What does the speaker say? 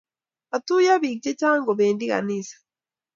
Katuye piik chechang' kopendi ganisa